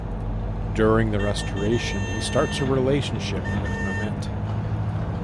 During the restoration, he starts a relationship with Mehmet.